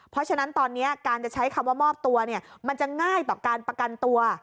เพราะฉะนั้นตอนนี้การจะใช้คำว่ามอบตัวเนี่ยมันจะง่ายต่อการประกันตัว